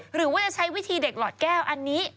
หรือว่าจะใช้วิธีเด็กหลอดแก้วอันนี้